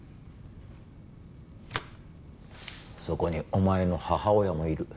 そこにお前の母親もいる。